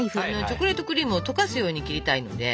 チョコレートクリームを溶かすように切りたいので。